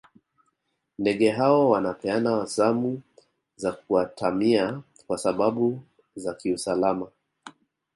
ndege hao wanapeana zamu za kuatamia kwa sababu za kiusalama